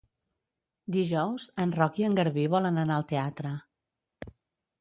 Dijous en Roc i en Garbí volen anar al teatre.